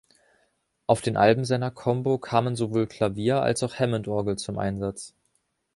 Auf den Alben seiner Combo kamen sowohl Klavier als auch Hammondorgel zum Einsatz.